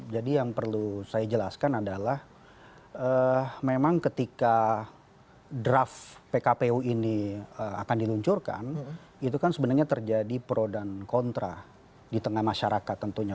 jadi yang perlu saya jelaskan adalah memang ketika draft pkpu ini akan diluncurkan itu kan sebenarnya terjadi pro dan kontra di tengah masyarakat tentunya